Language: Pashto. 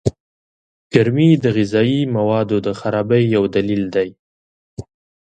گرمي د غذايي موادو د خرابۍ يو دليل دئ.